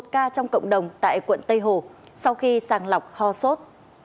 một ca trong cộng đồng tại quận tây hồ sau khi sàng lọc ho sốt